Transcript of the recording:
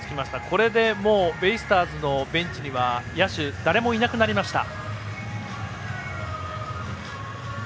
これで、もうベイスターズのベンチには野手、誰もいなくなりました。